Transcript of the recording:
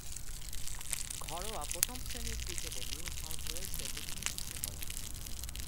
ঘরোয়া প্রথম-শ্রেণীর ক্রিকেটে নিউ সাউথ ওয়েলসের প্রতিনিধিত্ব করেন।